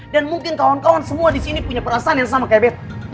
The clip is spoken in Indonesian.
dan mungkin kawan kawan semua di sini punya perasaan yang sama kayak beta